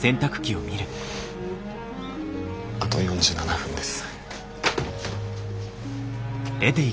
あと４７分です。